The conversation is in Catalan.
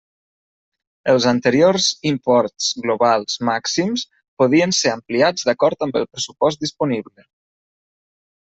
Els anteriors imports globals màxims podien ser ampliats d'acord amb el pressupost disponible.